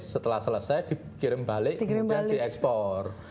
setelah selesai dikirim balik kemudian diekspor